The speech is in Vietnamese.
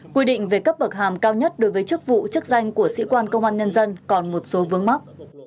quy định về cấp bậc hàm cao nhất đối với chức vụ chức danh của sĩ quan công an nhân dân còn một số vướng mắt